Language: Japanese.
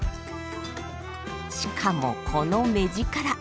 しかもこの目力。